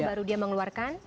baru dia mengeluarkan